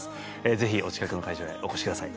ぜひお近くの会場へお越しください